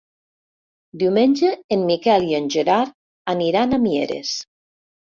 Diumenge en Miquel i en Gerard aniran a Mieres.